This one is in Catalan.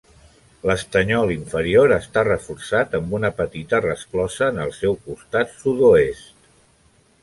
L'estanyol inferior està reforçat amb una petita resclosa en el seu costat sud-oest.